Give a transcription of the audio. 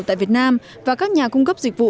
tại việt nam và các nhà cung cấp dịch vụ